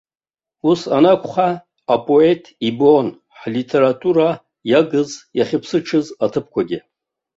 Ус анакәха, апоет ибон ҳлитература иагыз, иахьыԥсыҽыз аҭыԥқәагьы.